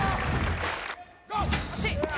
惜しい。